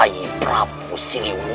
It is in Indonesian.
tidak ada yang berani